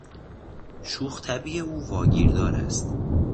شوخ طبعی او واگیردار است.